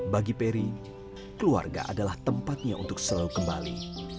bagi perry keluarga adalah tempatnya untuk selalu kembali